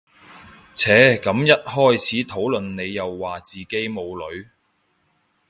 唓咁一開始討論你又話自己冇女